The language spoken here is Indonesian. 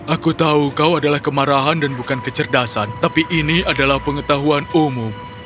aku tahu kau adalah kemarahan dan bukan kecerdasan tapi ini adalah pengetahuan umum